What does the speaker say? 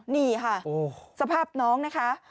นี่ค่ะสภาพน้องนะคะ